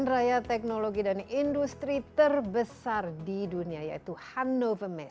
pekan raya teknologi dan industri terbesar di dunia yaitu hanover messe